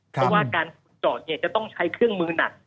เพราะว่าการขุดเจาะจะต้องใช้เครื่องมือหนัก